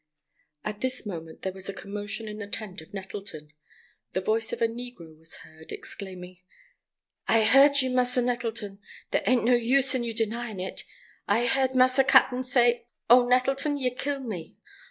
At this moment there was a commotion in the tent of Nettleton. The voice of the negro was heard, exclaiming: "I he'rd you, massa Nettleton. There ain't no use in you denyin' it. I he'rd massa cap'n say, 'Oh, Nettleton, ye kill me!